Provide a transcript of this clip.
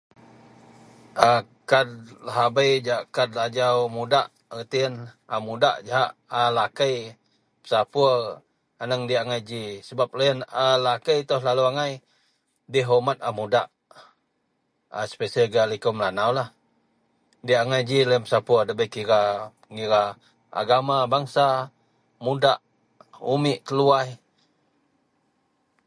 Akaad labei jahak kaad ajau a mudak erti iyen a mudak jahak alakei pesapur aneng diyak angai ji sebab loyen alakei selalu dihormat a mudak espeseli gak a liko melanau lah diyak ji loyen pesapur da kira ugama bangsa mudak umit teluwaih.